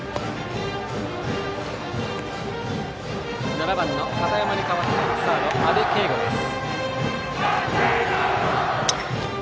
７番の片山に代わってサード、安部圭吾です。